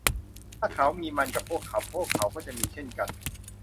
ถ้าเขามีมันกับเขาพวกเขาก็จะมีเช่นกัน